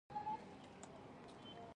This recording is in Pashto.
د فکر متولیان ناکام دي